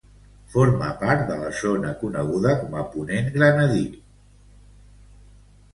Forma part de la zona coneguda com a Ponent Granadí.